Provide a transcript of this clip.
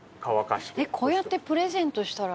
こうやってプレゼントしたら。